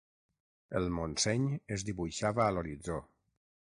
El Montseny es dibuixava a l'horitzó.